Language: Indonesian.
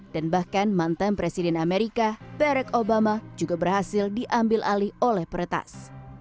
dan bahkan mantan presiden amerika barack obama juga berhasil diambil alih oleh peretas